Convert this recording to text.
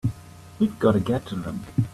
We've got to get to them!